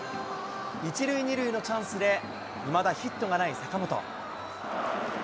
１塁２塁のチャンスで、いまだヒットがない坂本。